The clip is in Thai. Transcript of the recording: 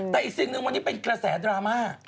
แต่อีกสิ่งหนึ่งวันนี้เป็นกระแสดราม่า